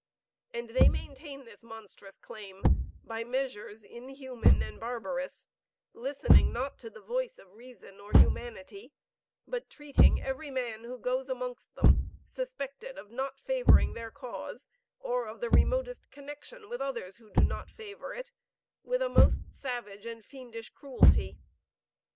And they maintain this monstrous claim by measures inhuman and barbarous, listening not to the voice of reason or humanity, but treating every man who goes amongst them, suspected of not favoring their cause, or of the remotest connection with others who do not favor it, with a most savage and fiendish cruelty.